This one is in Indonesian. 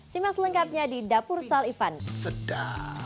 simak selengkapnya di dapur sal ivan